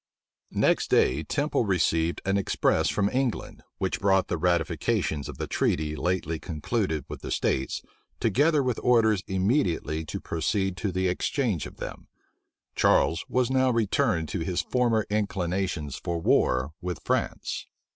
Next day, Temple received an express from England, which brought the ratifications of the treaty lately concluded with the states, together with orders immediately to proceed to the exchange of them. Charles was now returned to his former inclinations for war with France.